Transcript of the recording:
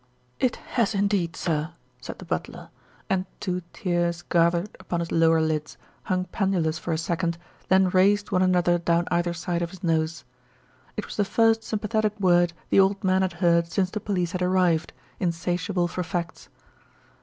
"It has indeed, sir," said the butler, and two tears gathered upon his lower lids, hung pendulous for a second, then raced one another down either side of his nose. It was the first sympathetic word the old man had heard since the police had arrived, insatiable for facts.